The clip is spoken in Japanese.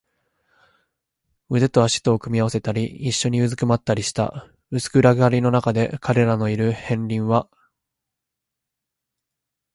腕と脚とを組み合わせたり、いっしょにうずくまったりした。薄暗がりのなかで、彼らのいる片隅はただ大きな糸玉ぐらいにしか見えなかった。